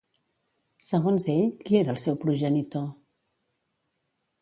Segons ell, qui era el seu progenitor?